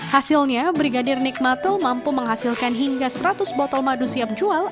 hasilnya brigadir nikmatle mampu menghasilkan hingga seratus botol madu siap jual